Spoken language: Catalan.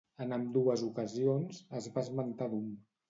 En ambdues ocasions, es va esmentar Doom.